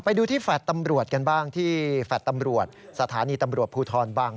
ไปดูที่ฝาดตำรวจกันบ้างที่ฝาดตำรวจสถานีตำรวจภูทรบ้าง